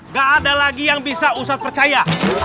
gak ada lagi yang bisa ustadz percaya